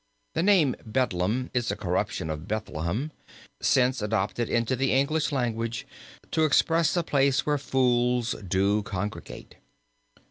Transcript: The name Bedlam is a corruption of Bethlehem, since adopted into the English language to express a place where fools do congregate.